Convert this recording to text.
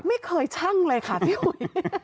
ไม่เคยชั่งเลยค่ะพี่อุ๋ย